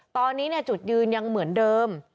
ตอนนี้จุดยืนยังเหมือนเดิม